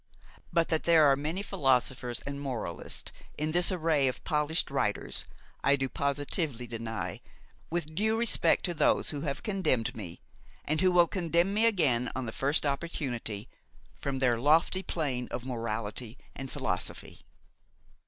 But that there are many philosophers and moralists in this array of polished writers, I do positively deny, with due respect to those who have condemned me, and who will condemn me again on the first opportunity, from their lofty plane of morality and philosophy.